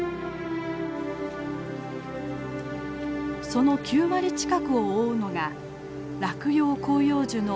その９割近くを覆うのが落葉広葉樹のブナ。